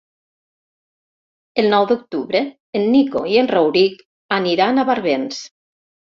El nou d'octubre en Nico i en Rauric aniran a Barbens.